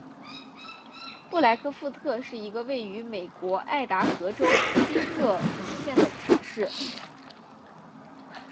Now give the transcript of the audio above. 布莱克富特是一个位于美国爱达荷州宾厄姆县的城市。